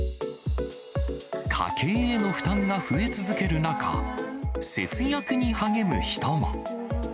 家計への負担が増え続ける中、節約に励む人も。